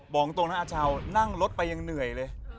บอกตรงนะอาชาวนั่งรถไปยังเหนื่อยเลย